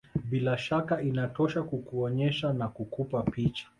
Bila shaka inatosha kukuonyesha na kukupa picha